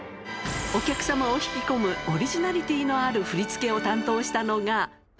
お客様を引き込むオリジナリティーのある振り付けを担当したのが。